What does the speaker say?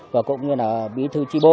và cũng như là bí thư